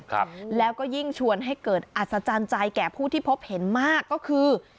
ครับแล้วก็ยิ่งชวนให้เกิดอัศจรรย์ใจแก่ผู้ที่พบเห็นมากก็คือ